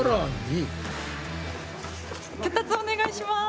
脚立お願いします！